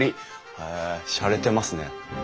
へえしゃれてますね。